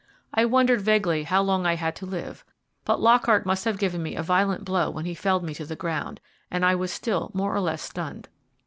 I wondered vaguely how long I had to live; but Lockhart must have given me a violent blow when he felled me to the ground, and I was still more or less stunned.